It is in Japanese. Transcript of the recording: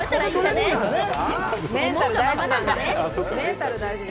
メンタル大事なんで。